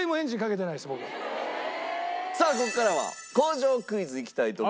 さあここからは工場クイズいきたいと思います。